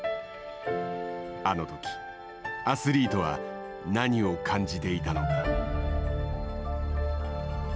あのとき、アスリートは何を感じていたのか。